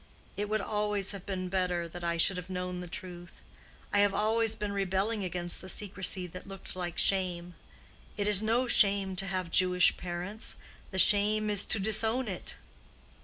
"It would always have been better that I should have known the truth. I have always been rebelling against the secrecy that looked like shame. It is no shame to have Jewish parents—the shame is to disown it."